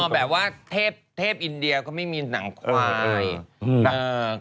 แบบว่าเทพอินเดียก็ไม่มีหนังควาย